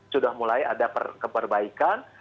sudah mulai ada keperbaikan